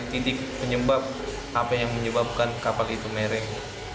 titik penyebab apa yang menyebabkan kapal itu mereng